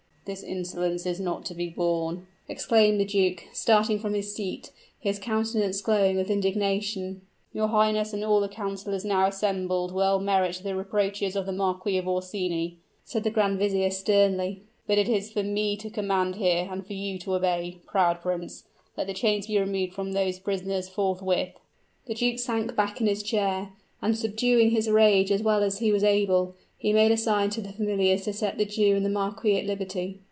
"This insolence is not to be borne," exclaimed the duke, starting from his seat, his countenance glowing with indignation. "Your highness and all the councilors now assembled well merit the reproaches of the Marquis of Orsini," said the grand vizier, sternly. "But it is for me to command here, and for you to obey, proud prince! Let the chains be removed from those prisoners forthwith." The duke sank back in his chair, and, subduing his rage as well as he was able, he made a sign to the familiars to set the Jew and the marquis at liberty.